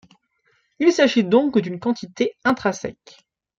Il s'agit donc d'une quantité intrinsèque.